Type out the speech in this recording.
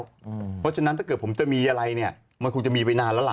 เพราะฉะนั้นถ้าเกิดผมจะมีอะไรเนี่ยมันคงจะมีไปนานแล้วล่ะ